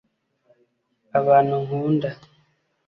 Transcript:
abantu nkunda